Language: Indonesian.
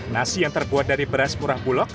nasi yang terbuat dari beras murah bulog